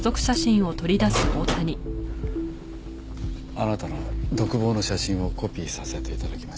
あなたの独房の写真をコピーさせて頂きました。